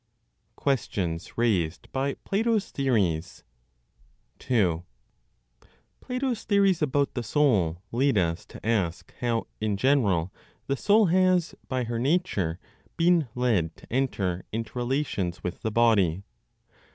QUESTIONS RAISED BY PLATO'S THEORIES. 2. Plato's theories about the soul lead us to ask how, in general, the soul has, by her nature, been led to enter into relations with the body.